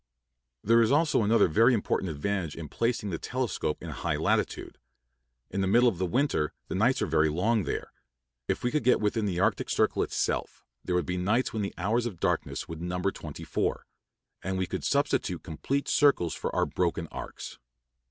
There is also another very important advantage in placing the telescope in a high latitude; in the middle of winter the nights are very long there; if we could get within the Arctic. Circle itself, there would be nights when the hours of darkness would number twenty four, and we could substitute complete circles for our broken arcs.